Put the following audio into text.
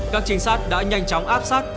các trinh sát đã nhanh chóng áp sát